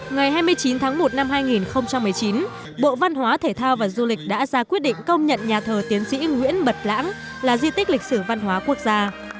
ngày hai mươi chín tháng một năm hai nghìn một mươi chín bộ văn hóa thể thao và du lịch đã ra quyết định công nhận nhà thờ tiến sĩ nguyễn bật lãng là di tích lịch sử văn hóa quốc gia